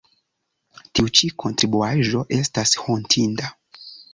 Tiu ĉi kontribuaĵo estas hontinda.